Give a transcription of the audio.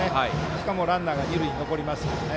しかもランナーが二塁に残りました。